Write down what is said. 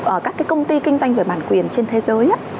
ở các cái công ty kinh doanh về bản quyền trên thế giới